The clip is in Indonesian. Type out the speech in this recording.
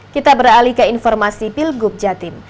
kita beralih ke informasi pilgub jatim